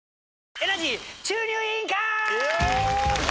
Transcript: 「エナジー注入委員会」イエーイ！